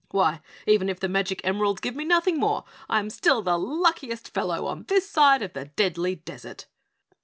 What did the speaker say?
Why, even if the magic emeralds give me nothing more, I am still the luckiest fellow on this side of the Deadly Desert!"